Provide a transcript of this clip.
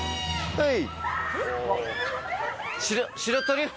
はい。